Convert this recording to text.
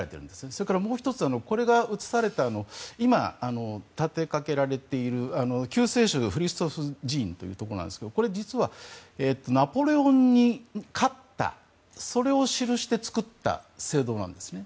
それからもう１つこれが移された今、立てかけられている救世主ハリストス寺院というところなんですがこれ、実はナポレオンに勝ったそれを記して作った聖堂なんですね。